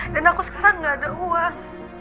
dan aku sekarang gak ada uang